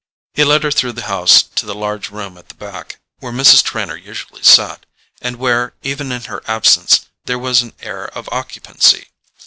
He led her through the house to the large room at the back, where Mrs. Trenor usually sat, and where, even in her absence, there was an air of occupancy.